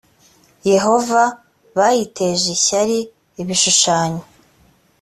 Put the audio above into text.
yehova bayiteje ishyari ibishushanyo